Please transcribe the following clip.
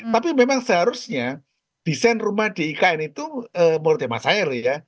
tapi memang seharusnya desain rumah di ikn itu muldemat air ya